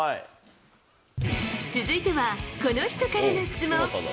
続いては、この人からの質問。